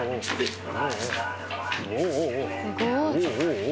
すごい。